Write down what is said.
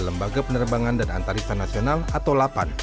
lembaga penerbangan dan antariksa nasional atau lapan